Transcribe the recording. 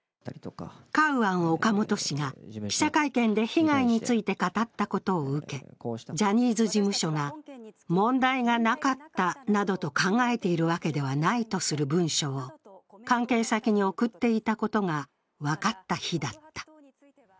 カウアン・オカモト氏が記者会見で被害について語ったことを受け、ジャニーズ事務所が問題がなかったなどと考えているわけではないとする文書を関係先に送っていたことが分かった日だった。